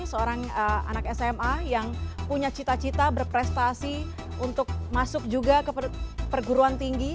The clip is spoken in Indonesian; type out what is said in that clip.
seorang anak sma yang punya cita cita berprestasi untuk masuk juga ke perguruan tinggi